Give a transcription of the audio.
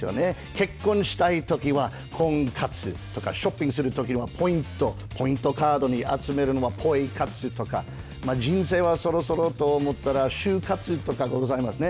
結婚したいときは婚活とかショッピングするときのポイントカードを集めるのはポイ活とか人生はそろそろと思ったら終活とかございますね。